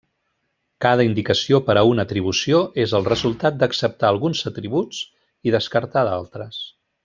Cada indicació per a una atribució és el resultat d'acceptar alguns atributs i descartar d'altres.